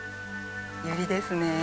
ユリですね。